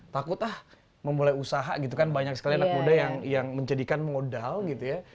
takut ah memulai usaha gitu kan banyak sekali anak muda yang menjadikan modal gitu ya